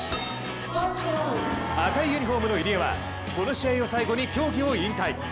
赤いユニフォームの入江はこの試合を最後に競技を引退。